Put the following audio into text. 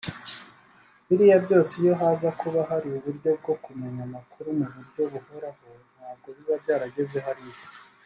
Biriya byose iyo haza kuba hari uburyo bwo kumenya amakuru mu buryo buhoraho ntabwo biba byarageze hariya